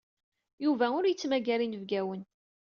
Yuba ur yettmagar inebgawen.